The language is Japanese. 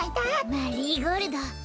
マリーゴールド。